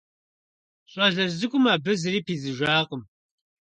Щӏалэжь цӏыкӏум абы зыри пидзыжакъым.